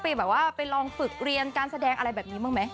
ไปลองฝึกเรียนการแสดงอะไรแบบนี้มั้ยไหม